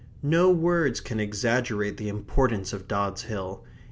No words can exaggerate the importance of Dods Hill.